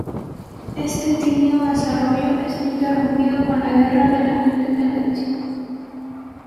Este tímido desarrollo es interrumpido con la Guerra de la Independencia.